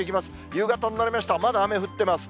夕方になりますと、まだ雨降ってます。